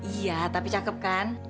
iya tapi cakep kan